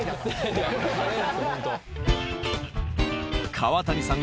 川谷さん